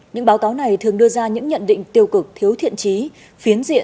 những báo cáo này thường đưa ra những nhận định tiêu cực thiếu thiện trí